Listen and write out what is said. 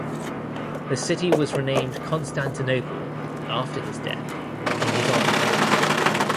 The city was renamed Constantinople after his death, in his honor.